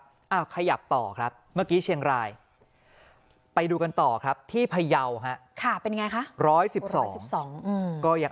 ถ้าขยับต่อมาเชียงรายไปดูกันต่อครับที่ภยาวฝั่งเป็นแบบร้อยสิบสอง